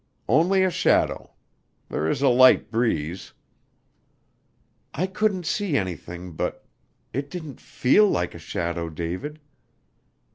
"Only a shadow. There is a light breeze." "I couldn't see anything but it didn't feel like a shadow, David."